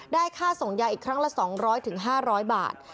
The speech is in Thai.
ค่าส่งยาอีกครั้งละ๒๐๐๕๐๐บาท